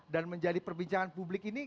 menjadi perbincangan publik ini